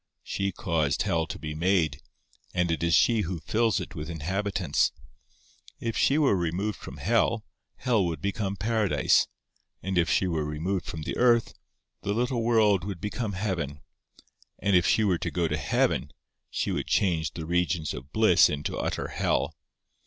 She caused hell to be made, and it is she who fills it with inhabitants. If she were removed from hell, hell would become paradise; and if she were removed from the earth, the little world would become heaven; and if she were to go to heaven, she would change the regions of bliss into utter hell.